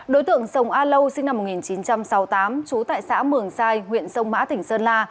đối tượng sông a lâu sinh năm một nghìn chín trăm sáu mươi tám trú tại xã mường sai huyện sông mã tỉnh sơn la